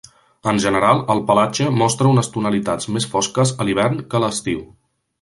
En general, el pelatge mostra unes tonalitats més fosques a l'hivern que a l'estiu.